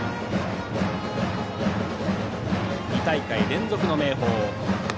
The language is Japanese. ２大会連続の明豊。